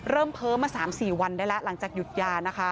เพ้อมา๓๔วันได้แล้วหลังจากหยุดยานะคะ